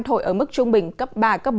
thổi ở mức trung bình cấp ba bốn